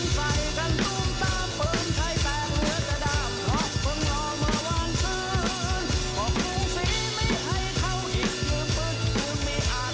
สนับสนุนโดยโฟมล้างมือคิเระอิคิเระอิคิเระอิ